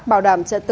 bảo đảm trận tự